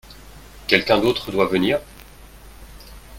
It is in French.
Quelqu'un d'autre doit venir ?